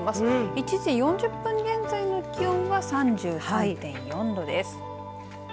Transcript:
１時４０分現在の気温は３３．４度です。